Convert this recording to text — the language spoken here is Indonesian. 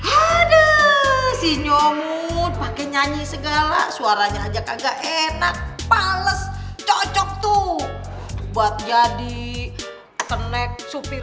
aduh si nyomut pakai nyanyi segala suaranya aja kagak enak pales cocok tuh buat jadi kenek supir